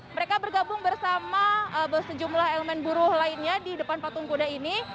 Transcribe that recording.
mereka bergabung bersama sejumlah elemen buruh lainnya di depan patung kuda ini